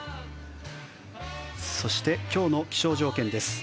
そして今日の気象条件です。